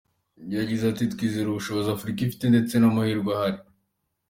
Yagize ati “Twizera ubushobozi Afurika ifite ndetse n’amahirwe ahari.